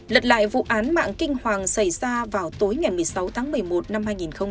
lật lại vụ án mạng kinh hoàng xảy ra vào tối ngày một mươi sáu tháng một mươi một năm hai nghìn một mươi ba